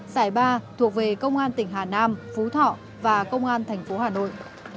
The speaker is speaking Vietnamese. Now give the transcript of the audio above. giải ba thuộc về công an tỉnh hà nam phú thọ và công an thành phố hà nội